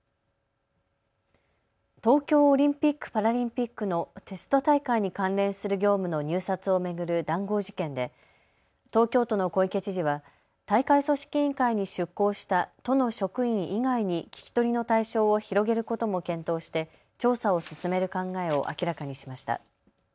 東京オリンピック・パラリンピックのテスト大会に関連する業務の入札を巡る談合事件で、東京都の小池知事は大会組織委員会に出向した都の職員以外に聞き取りの対象を広げることも検討して調査を進める考えを明らかにしました。